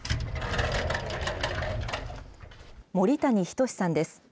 森谷均さんです。